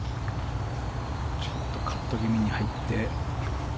ちょっとカット気味に入って。